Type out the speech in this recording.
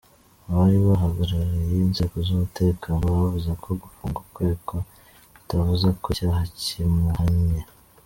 Abari bahagarariye inzego z’umutekano bavuze ko gufunga ukekwa bitavuze ko icyaha kimuhamye.